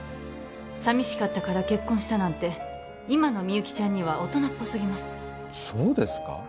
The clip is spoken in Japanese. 寂しかったから結婚したなんて今のみゆきちゃんには大人っぽすぎますそうですか？